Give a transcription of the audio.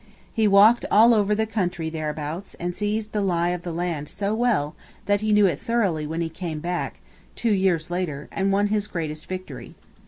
He walked all over the country thereabouts and seized the lie of the land so well that he knew it thoroughly when he came back, two years later, and won his greatest victory.